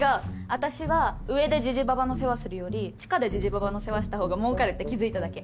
私は上でじじばばの世話するより地下でじじばばの世話した方が儲かるって気づいただけ。